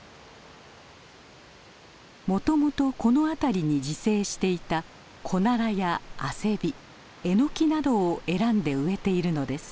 もともとこの辺りに自生していたコナラやアセビエノキなどを選んで植えているのです。